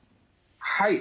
はい